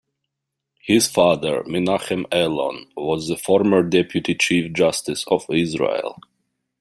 His father, Menachem Elon, was the former Deputy Chief Justice of Israel.